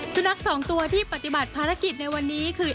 สุนัขสองตัวที่ปฏิบัติภารกิจในวันนี้คือ